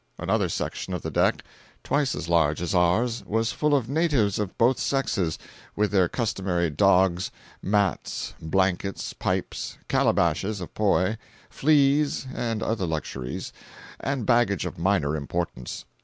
Another section of the deck, twice as large as ours, was full of natives of both sexes, with their customary dogs, mats, blankets, pipes, calabashes of poi, fleas, and other luxuries and baggage of minor importance.